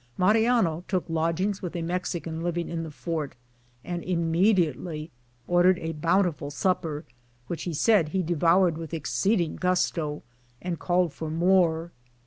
Mariano took lodgings with a Mexican living in the fort, and immediately ordered a bountiful supper, which he said he devoured with exceeding gusto, and called for more.